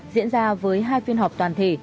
diễn ra với hai phiên họp toàn thể